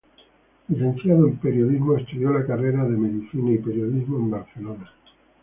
Licenciado en Periodismo, estudió la carrera de Medicina y Periodismo en Barcelona.